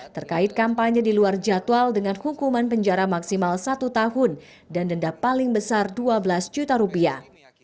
terkait kampanye di luar jadwal dengan hukuman penjara maksimal satu tahun dan denda paling besar dua belas juta rupiah